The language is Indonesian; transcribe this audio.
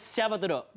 siapa tuh dong